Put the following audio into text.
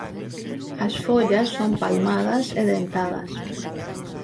As follas son palmadas e dentadas.